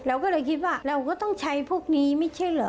เราก็เลยคิดว่าเราก็ต้องใช้พวกนี้ไม่ใช่เหรอ